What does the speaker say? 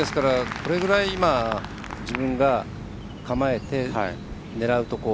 このぐらい自分が構えて狙うところ。